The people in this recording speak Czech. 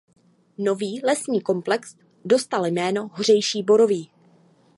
Nový lesní komplex dostal jméno „Hořejší Borový“.